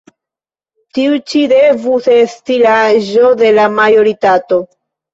Tiu ĉi devus esti la aĝo de la majoritato».